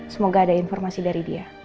semoga ada informasi dari dia